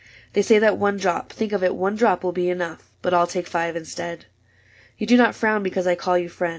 They say that one drop — think of it, one drop !— Will be enough, — but I '11 take five instead. ^^ You do not frown because I call you friend.